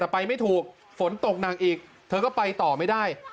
แต่ไปไม่ถูกฝนตกหนักอีกเธอก็ไปต่อไม่ได้